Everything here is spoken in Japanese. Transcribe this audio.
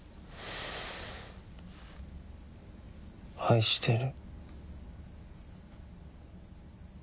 愛してる。